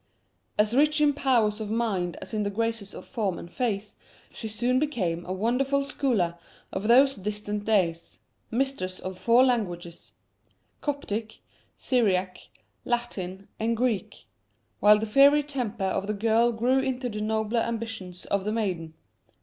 As rich in powers of mind as in the graces of form and face, she soon became a wonderful scholar for those distant days mistress of four languages: Coptic, Syriac, Latin, and Greek, while the fiery temper of the girl grew into the nobler ambitions of the maiden.